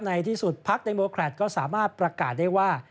ในที่สุดพักในโมแครตก็สามารถประกาศได้ว่า